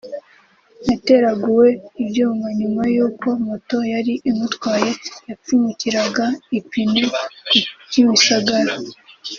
yateraguwe ibyuma nyuma y’uko moto yari imutwaye yapfumukiraga ipine ku Kimisagara